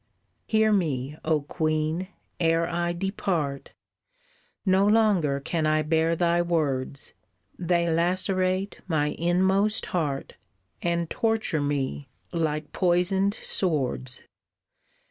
"Hear me, O Queen, ere I depart, No longer can I bear thy words, They lacerate my inmost heart And torture me, like poisoned swords.